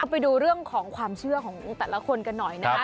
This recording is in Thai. ไปดูเรื่องของความเชื่อของแต่ละคนกันหน่อยนะฮะ